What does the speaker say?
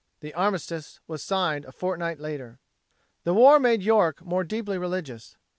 The armistice was signed a fortnight later. The war made York more deeply religious.